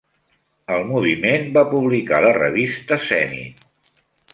El moviment va publicar la revista "Zenit".